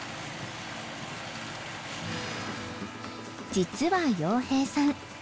実は洋平さん